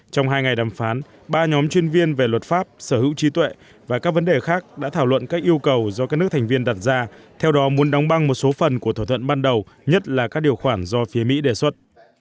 trong hai ngày đàm phán ba nhóm chuyên viên về luật pháp sở hữu trí tuệ và các vấn đề khác đã thảo luận các yêu cầu do các nước thành viên đặt ra theo đó muốn đóng băng một số phần của thỏa thuận ban đầu nhất là các điều khoản do phía mỹ đề xuất